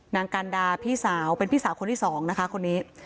นางกันดาพี่สาวเป็นพี่สาวคนที่สองนะคะคนนี้